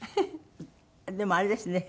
でもあれですね